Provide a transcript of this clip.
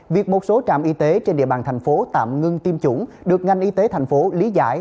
việc một số trạm y tế trên địa bàn thành phố tạm ngưng tiêm chủng được ngành y tế thành phố lý giải